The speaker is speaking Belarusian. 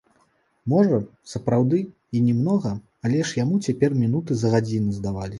Можа, сапраўды і не многа, але ж яму цяпер мінуты за гадзіны здаваліся.